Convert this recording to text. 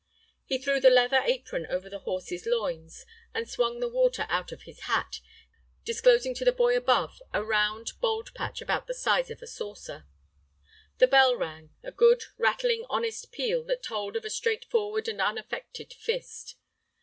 He threw the leather apron over the horse's loins, and swung the water out of his hat, disclosing to the boy above a round bald patch about the size of a saucer. The bell rang, a good, rattling, honest peal that told of a straightforward and unaffected fist.